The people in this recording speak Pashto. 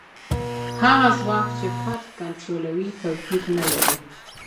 هغه ځواک چې فرد کنټرولوي توپیر نه لري.